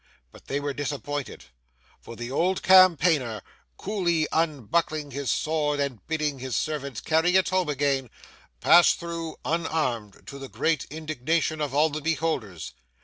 But they were disappointed; for the old campaigner, coolly unbuckling his sword and bidding his servant carry it home again, passed through unarmed, to the great indignation of all the beholders.